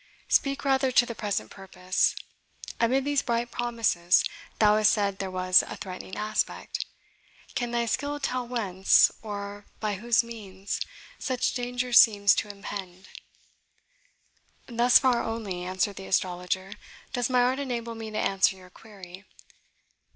Speak rather to the present purpose. Amid these bright promises thou hast said there was a threatening aspect. Can thy skill tell whence, or by whose means, such danger seems to impend?" "Thus far only," answered the astrologer, "does my art enable me to answer your query.